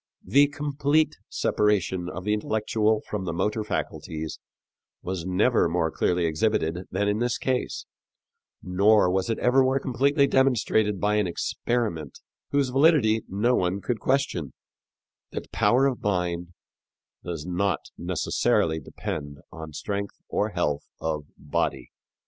The complete separation of the intellectual from the motor faculties was never more clearly exhibited than in this case, nor was it ever more completely demonstrated by an experiment, whose validity no one could question, that power of mind does not necessarily depend on strength or health of body.